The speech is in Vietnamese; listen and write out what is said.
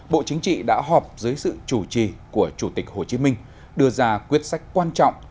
bộ chính trị đã họp dưới sự chủ trì của chủ tịch hồ chí minh đưa ra quyết sách quan trọng